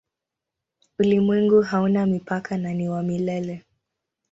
Ulimwengu hauna mipaka na ni wa milele.